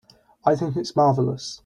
I think it's marvelous.